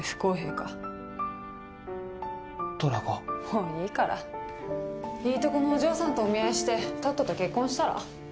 もういいからいいとこのお嬢さんとお見合いしてとっとと結婚したら？